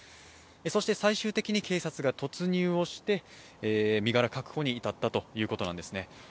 そして最終的に警察が突入をして、身柄確保にいたったということなんですね。